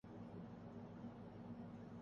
ہمارے حالات ایسے تو نہیں رہے۔